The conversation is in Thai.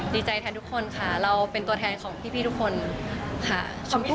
ดีใจแทนทุกคนค่ะเราเป็นตัวแทนของพี่ทุกคนค่ะ